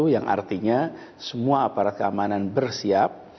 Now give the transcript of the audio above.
yang artinya semua aparat keamanan bersiap